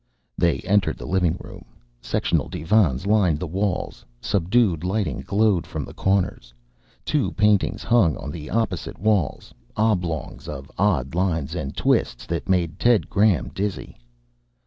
They entered the living room. Sectional divans lined the walls. Subdued lighting glowed from the corners. Two paintings hung on the opposite walls oblongs of odd lines and twists that made Ted Graham dizzy.